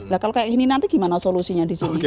nah kalau kayak ini nanti gimana solusinya di sini